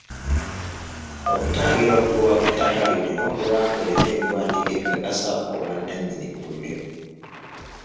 Okutangira okugobwa ku ttaka lyo olina okuba ng'olina ebiwandiiko ebikakasa obwannannyini ku lyo.